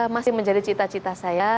masih menjadi cita cita saya